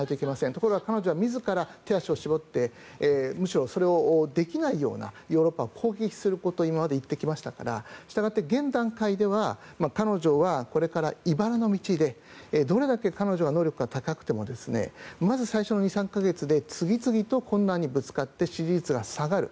ところが彼女は自ら手足を縛ってむしろ、それをできないようなヨーロッパを攻撃することを今まで言ってきましたからしたがって現段階では彼女はこれからいばらの道でどれだけ彼女が能力が高くてもまず最初の２３か月で次々と困難にぶつかって支持率が下がる。